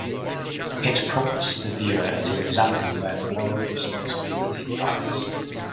It prompts the viewer to examine where moral responsibility lies.